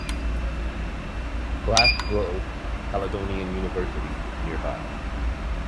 Glasgow Caledonian University is nearby.